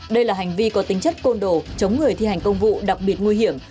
đây là hành vi có tính chất côn đồ chống người thi hành công vụ đặc biệt nguy hiểm